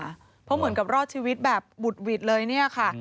เพราะเหมือนกับรอดชีวิตแบบบุดหวิดเลยเนี่ยค่ะ